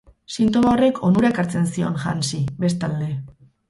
Sintoma horrek onura ekartzen zion Hansi, bestalde.